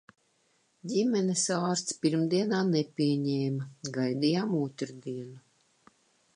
Ģimenes ārsts pirmdienā nepieņēma, gaidījām otrdienu.